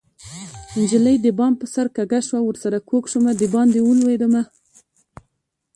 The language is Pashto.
نجلۍ د بام په سر کږه شوه ورسره کوږ شومه د پانډه ولوېدمه